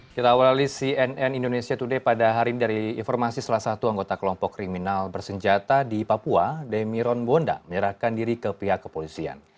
kita awali cnn indonesia today pada hari ini dari informasi salah satu anggota kelompok kriminal bersenjata di papua demiron bonda menyerahkan diri ke pihak kepolisian